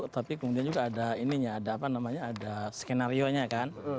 tapi kemudian juga ada ininya ada apa namanya ada skenario nya kan